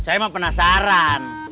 saya mah penasaran